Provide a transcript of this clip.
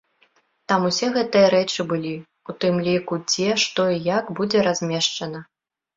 Там усе гэтыя рэчы былі, у тым ліку дзе, што і як будзе размешчана.